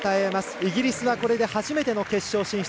イギリスは初めての決勝進出。